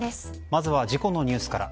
まずは事故のニュースから。